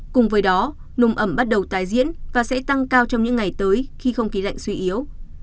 cùng với đó nùm ẩm bắt đầu tái diễn và sẽ tăng cao trong những ngày tới khi không khí lạnh suy yếu